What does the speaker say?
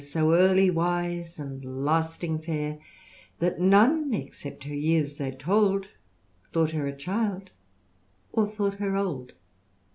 So early wise, and lasting fair, That none, except her years they told, Thought her a child, or thought her old."